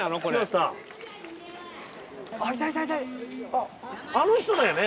あっあの人だよね。